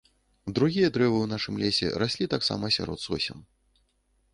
Другія дрэвы ў нашым лесе раслі таксама сярод сосен.